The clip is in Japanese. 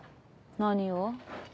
何を？